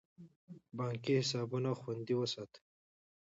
بانکي حسابونه خوندي وساتئ.